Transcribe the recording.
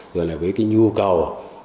rồi là với cái nhu cầu